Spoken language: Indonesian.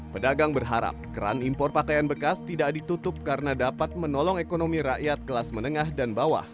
pedagang berharap keran impor pakaian bekas tidak ditutup karena dapat menolong ekonomi rakyat kelas menengah dan bawah